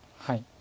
はい。